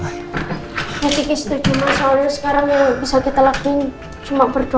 nanti kita setuju mas al sekarang yang bisa kita lakuin cuma berdoa